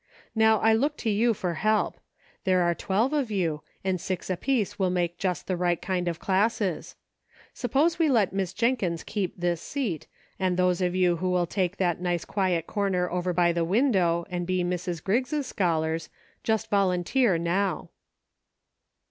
Now I look to you for help ; there are twelve of you, and six apiece will make just the right kind of classes. Suppose we let Miss Jen kins keep this seat, and those of you who will take that nice quiet corner over by the window and be Mrs. Griggs' scholars, just volunteer now."